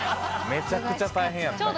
めちゃくちゃ大変やった。